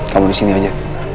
kamu disini aja